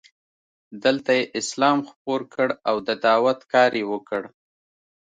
دلته یې اسلام خپور کړ او د دعوت کار یې وکړ.